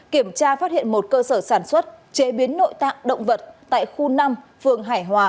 kiểm tra phát hiện một cơ sở sản xuất chế biến nội tạng động vật tại khu năm phường hải hòa